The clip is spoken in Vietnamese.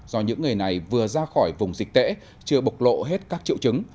do những người này vừa ra khỏi vùng dịch tễ chưa bộc lộ hết các triệu chứng